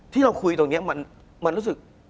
ที่เราคุยตรงนี้มันรู้สึก